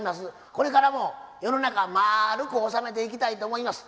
これからも世の中まるくおさめていきたいと思います。